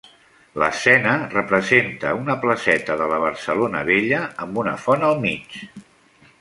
L'escena representa una placeta de la Barcelona vella, amb una font al mig.